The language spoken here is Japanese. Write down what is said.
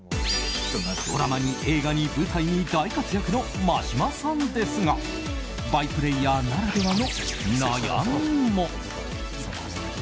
ドラマに映画に舞台に大活躍の眞島さんですがバイプレーヤーならではの悩みも。